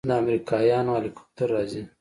د امريکايانو هليكاپټر راځي.